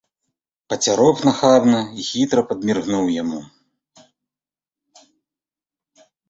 Пацяроб нахабна і хітра падміргнуў яму.